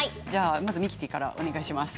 まずミキティからお願いします。